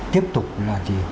tiếp tục là